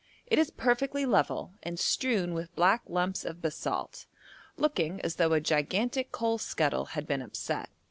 It is perfectly level, and strewn with black lumps of basalt, looking as though a gigantic coal scuttle had been upset.